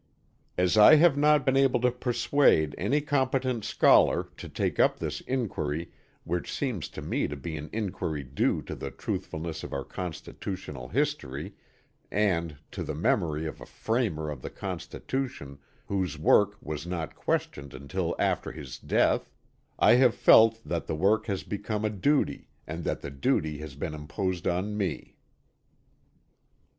As I have not been able to persuade any competent scholar to take up this inquiry which seems to me to be an inquiry due to the truthfulness of our Constitutional history and to the memory of a framer of the Constitution whose work was not questioned until after his death, I have felt that the work has become a duty and that the duty has been imposed on me.